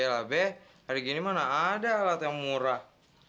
yalah be hari gini mana ada alat yang murah